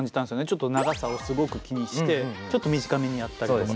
ちょっと長さをすごく気にしてちょっと短めにやったりとか。